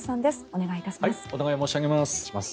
お願いします。